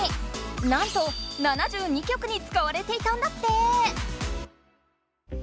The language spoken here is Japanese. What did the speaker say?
なんと７２曲につかわれていたんだって！